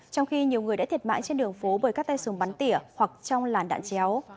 trong khi nhiều người đã thiệt mạng trên đường phố bởi các tay súng bắn tỉa hoặc trong làn đạn chéo